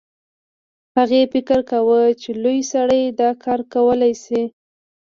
هغې فکر کاوه چې لوی سړی دا کار کولی شي